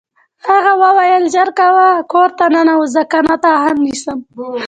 هغه وویل ژر کور ته ننوځه کنه تا هم نیسم